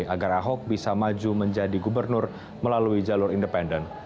agar ahok bisa maju menjadi gubernur melalui jalur independen